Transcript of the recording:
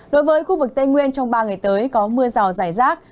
đối với khu vực tây nguyên trong ba ngày tới có mưa rào rải rác